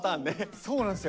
そうなんですよ。